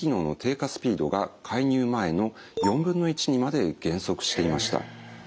スピードが介入前の４分の１にまで減速していました。